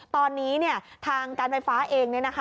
ตอนนี้ทางการไฟฟ้าเอง